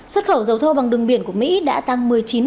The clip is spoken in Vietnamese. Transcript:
xuất khẩu dầu thô bằng đường biển của mỹ đã tăng một mươi chín